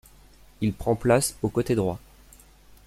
Il prend place au côté droit.